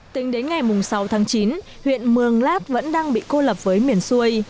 tính đến ngày sáu tháng chín huyện mường lát vẫn đang bị cô lập với miền xuôi